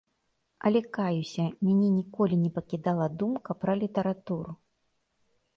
Але каюся, мяне ніколі не пакідала думка пра літаратуру.